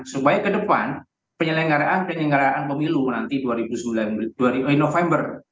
supaya ke depan penyelenggaraan penyelenggaraan pemilu nanti november